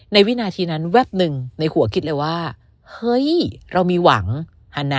วินาทีนั้นแวบหนึ่งในหัวคิดเลยว่าเฮ้ยเรามีหวังนะ